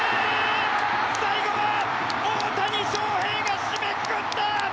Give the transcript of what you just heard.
最後は大谷翔平が締めくくった！